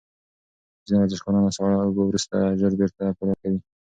ځینې ورزشکاران له ساړه اوبو وروسته ژر بیرته فعالیت کوي.